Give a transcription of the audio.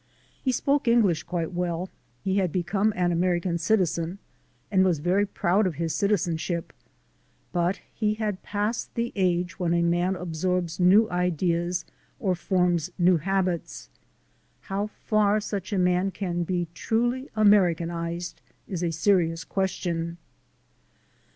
He spoke English quite well, he had become an American citizen, and was very proud of his citizenship ; but he had passed the age when a man absorbs new ideas or forms new habits. How far such a man can be truly Americanized is a serious question.